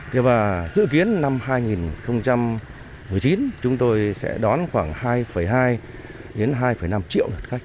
thế và dự kiến năm hai nghìn một mươi chín chúng tôi sẽ đón khoảng hai hai đến hai năm triệu lượt khách